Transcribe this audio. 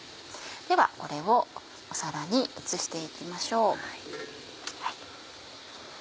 ではこれを皿に移して行きましょう。